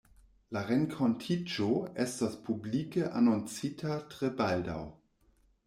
La renkontiĝo estos publike anoncita tre baldaŭ.